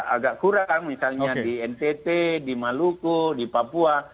agak kurang misalnya di ntt di maluku di papua